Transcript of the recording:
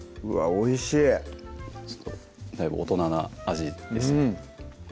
おいしいだいぶ大人な味ですうん